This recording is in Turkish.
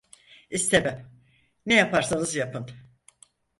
İstemem. Ne yaparsanız yapın…